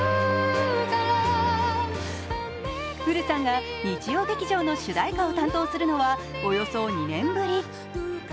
Ｕｒｕさんが日曜劇場の主題歌を担当するのはおよそ２年ぶり。